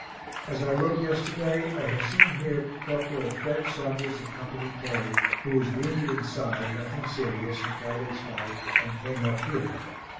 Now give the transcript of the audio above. As I wrote yesterday, I have seen here Corp. Fred Saunders of Co. K, who was wounded in side, nothing serious, in Friday's fight, and came up here.